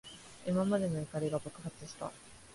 今までの怒りが爆発した。